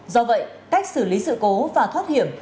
do vậy cách xử lý sự cố và thoát hiểm